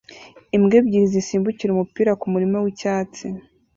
imbwa ebyiri zisimbukira umupira kumurima wicyatsi